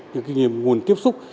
những cái nguồn tiếp xúc